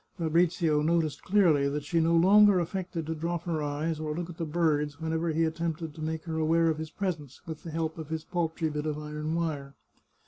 Fa brizio noticed clearly that she no longer affected to drop her eyes or look at the birds whenever he attempted to make her aware of his presence with the help of his paltry bit of iron wire.